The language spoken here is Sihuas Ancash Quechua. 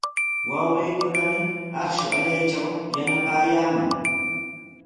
Wawqiikunami akshu allaytraw yanapaykaayaaman.